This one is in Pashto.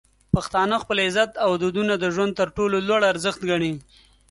پښتانه خپل عزت او دودونه د ژوند تر ټولو لوړ ارزښت ګڼي.